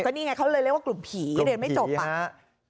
นี่ไงเขาเลยเรียกว่ากลุ่มผีเรียนไม่จบอ่ะ